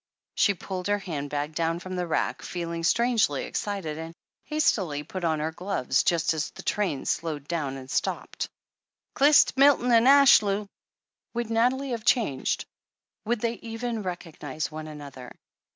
She pulled her hand bag down from the rack, feeling strangely excited, and hastily put on her gloves just as the train slowed down and stopped. 268 THE HEEL OF ACHILLES "Qyst Milton and Ashlew !" Would Nathalie have changed — ^would they even recognize one another?